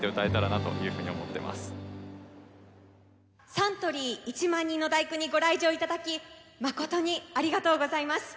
「サントリー１万人の第九」にご来場いただき誠にありがとうございます。